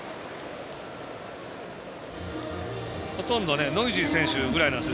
ほとんどノイジー選手ぐらいなんです。